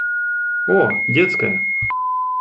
О, детская!